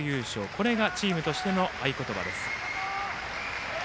これがチームとしての合言葉です。